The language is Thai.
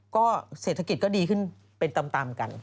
ก็เศรษฐกิจก็ดีขึ้นเป็นตามกัน